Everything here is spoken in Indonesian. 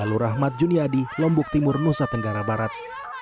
lalu rahmat juniadi lombok timur nusa tenggara barat